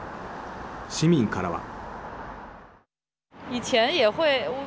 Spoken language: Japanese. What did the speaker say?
市民からは。